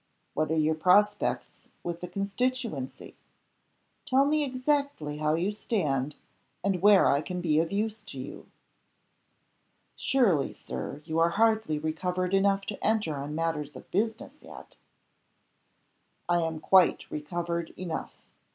What are your prospects with the constituency? Tell me exactly how you stand, and where I can be of use to you." "Surely, Sir, you are hardly recovered enough to enter on matters of business yet?" "I am quite recovered enough.